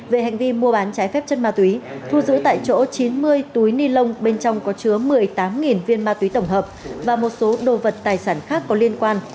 về hành vi mua bán trái phép chất ma túy thu giữ tại chỗ chín mươi túi ni lông bên trong có chứa một mươi tám viên ma túy tổng hợp và một số đồ vật tài sản khác có liên quan